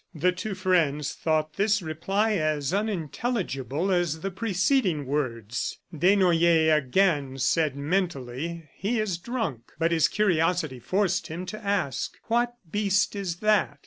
The two friends thought this reply as unintelligible as the preceding words. Desnoyers again said mentally, "He is drunk," but his curiosity forced him to ask, "What beast is that?"